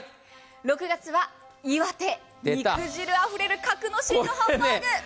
６月は岩手肉汁あふれる格之進のハンバーグ。